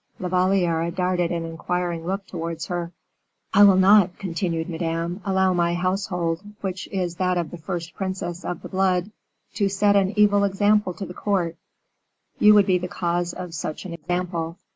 La Valliere darted an inquiring look towards her. "I will not," continued Madame, "allow my household, which is that of the first princess of the blood, to set an evil example to the court; you would be the cause of such an example.